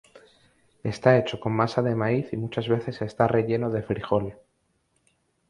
Está hecho con masa de maíz y muchas veces está relleno de frijol.